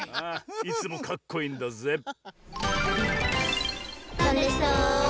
いつもかっこいいんだぜっ！